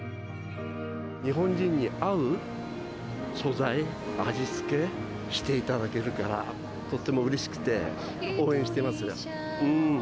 日本人に合う素材、味付けしていただけるから、とっても嬉しくて、応援してますね。